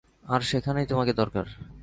আর সেখানেই তোমাকে দরকার।